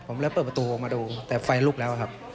ผมเลยเปิดประตูออกมาดูแต่ไฟลุกแล้วครับ